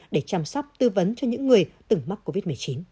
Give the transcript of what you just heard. để chăm sóc tư vấn cho những người từng mắc covid một mươi chín